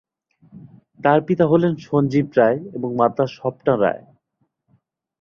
তাঁর পিতা হলেন সঞ্জীব রায় এবং মাতা স্বপ্না রায়।